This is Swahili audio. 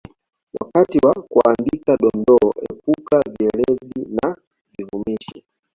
Wakati wa kuandika Dondoo epuka vielezi na vivumishi